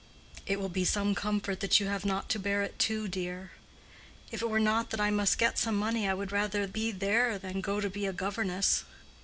"It will be some comfort that you have not to bear it too, dear." "If it were not that I must get some money, I would rather be there than go to be a governess."